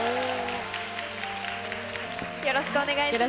よろしくお願いします。